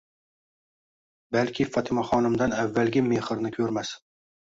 Balki Fotimaxonimdan avvalgi mehrni ko'rmas...